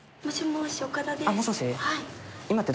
もしもし？